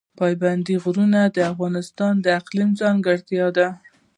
پابندی غرونه د افغانستان د اقلیم ځانګړتیا ده.